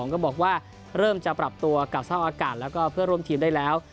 ก็บอกว่าเริ่มจะปรับตัวกับสร้างอากาศแล้วก็เพื่อร่วมทีมได้แล้ว